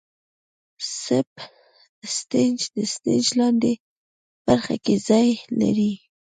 سب سټیج د سټیج لاندینۍ برخه کې ځای لري.